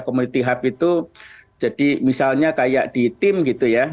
community hub itu jadi misalnya kayak di tim gitu ya